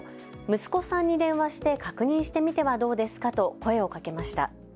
息子さんに電話して確認してみてはどうですかと声をかけました。